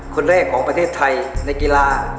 คนแรกของประเทศไทยในกีฬา